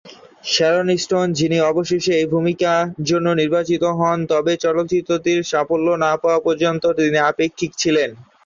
Sharon Stone, যিনি অবশেষে এই ভূমিকার জন্য নির্বাচিত হন, তবে চলচ্চিত্রটির সাফল্য না হওয়া পর্যন্ত তিনি আপেক্ষিক ছিলেন।